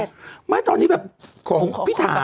ไม่ตอนนี้แบบของพี่ถา